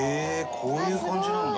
こういう感じなんだ。